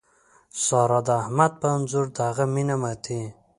سارا د احمد په انځور د هغه مینه ماتوي.